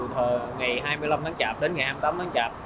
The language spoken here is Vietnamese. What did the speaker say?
từ ngày hai mươi năm tháng chạp đến ngày hai mươi tám tháng chạp